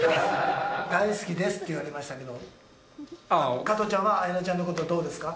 大好きですって言ってましたけど加トちゃんは綾菜ちゃんのことをどうですか？